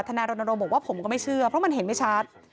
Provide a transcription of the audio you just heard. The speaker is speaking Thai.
นายรณรงค์บอกว่าผมก็ไม่เชื่อเพราะมันเห็นไม่ชัด